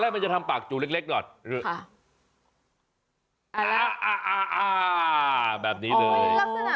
ลักษณะมันยังเด็กป่ะ